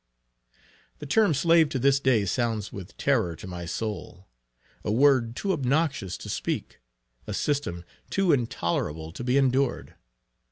The term slave to this day sounds with terror to my soul, a word too obnoxious to speak a system too intolerable to be endured.